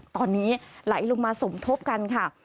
ตอนนี้ไหลลงมาสมทบกันค่ะ